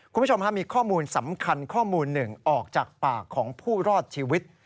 คุณผู้ชมมีข้อมูลสำคัญข้อมูลหนึ่งออกจากปากของผู้รอดชีวิต